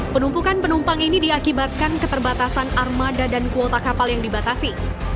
penumpukan penumpang ini diakibatkan keterbatasan armada dan kuota kapal yang dibatasi